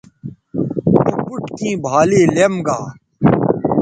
او بُٹ کیں بھالے لیم گا